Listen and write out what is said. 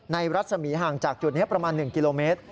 รัศมีห่างจากจุดนี้ประมาณ๑กิโลเมตร